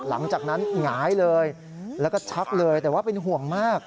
หลังจากนั้นหงายเลยแล้วก็ชักเลยแต่ว่าเป็นห่วงมาก